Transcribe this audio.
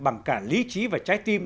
bằng cả lý trí và trái tim